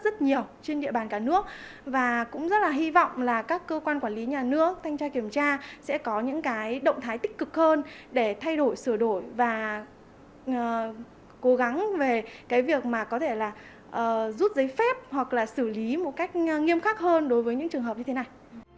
rất nhiều trên địa bàn cả nước và cũng rất là hy vọng là các cơ quan quản lý nhà nước thanh tra kiểm tra sẽ có những cái động thái tích cực hơn để thay đổi sửa đổi và cố gắng về cái việc mà có thể là rút giấy phép hoặc là xử lý một cách nghiêm khắc hơn đối với những trường hợp như thế này